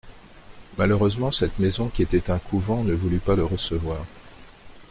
Malheureusement, cette maison qui était un couvent ne voulut pas le recevoir.